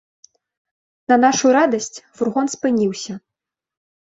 На нашу радасць, фургон спыніўся.